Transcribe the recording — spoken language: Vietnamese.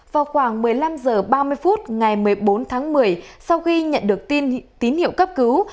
vào khoảng một mươi năm h ba mươi phút ngày một mươi bốn tháng một mươi sau khi nhận được tin tín hiệu cấp cứu